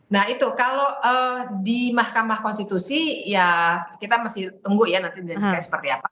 nah itu kalau di mahkamah konstitusi ya kita masih tunggu ya nanti seperti apa